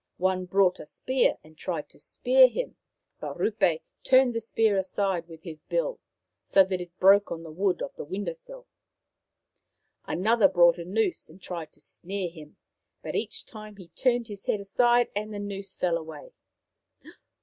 One brought a spear and tried to spear him, but Rupe turned the spear aside with his bill, so that it broke on the wood of the window sill. Another brought a noose and tried to snare him, but each time he turned his head aside and the noose fell away.